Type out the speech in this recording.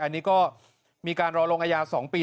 อันนี้ก็มีการรอลงอาญา๒ปี